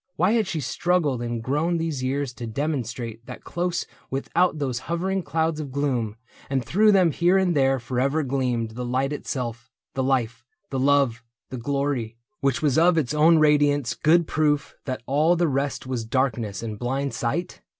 Why had she Struggled and grown these years to demonstrate That close without those hovering clouds of gloom And through them here and there forever gleamed The Light itself, the life, the love, the glory, Which was of its own radiance good proof That all the rest was darkness and blind sight